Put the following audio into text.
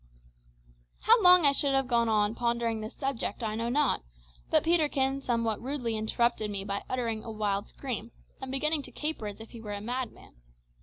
How long I should have gone on pondering this subject I know not, but Peterkin somewhat rudely interrupted me by uttering a wild scream, and beginning to caper as if he were a madman.